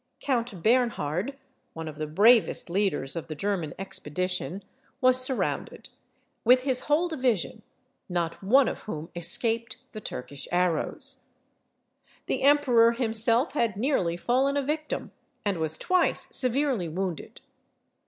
Count Bernhard, one of the bravest leaders of the German expedition, was surrounded, with his whole division, not one of whom escaped the Turkish arrows. The emperor himself had nearly fallen a victim, and was twice severely wounded.